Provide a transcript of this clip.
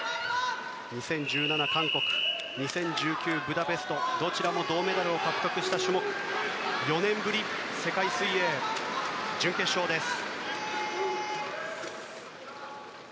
２０１７の韓国２０１９、ブダペストどちらも銅メダルを獲得した種目４年ぶりの世界水泳準決勝です。